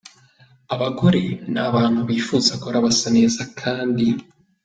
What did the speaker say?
Abagore ni abantu bifuza guhora basa neza kandi